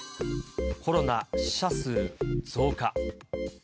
コロナ死者数増加。